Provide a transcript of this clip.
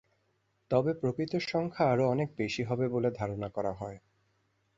তবে প্রকৃত সংখ্যা আরও অনেক বেশি হবে বলে ধারণা করা হয়।